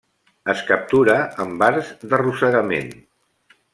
Es captura amb arts d'arrossegament.